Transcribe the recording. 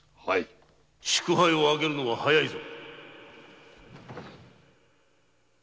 ・祝杯を上げるのは早いぞ！